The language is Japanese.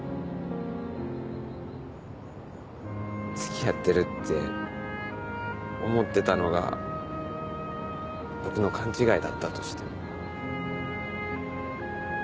つきあってるって思ってたのが僕の勘違いだったとしても。